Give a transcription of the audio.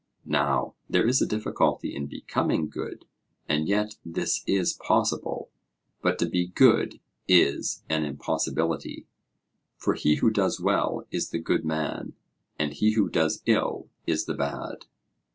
Now there is a difficulty in becoming good; and yet this is possible: but to be good is an impossibility 'For he who does well is the good man, and he who does ill is the bad.'